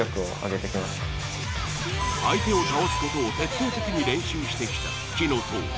相手を倒すことを徹底的に練習してきたふきのとう。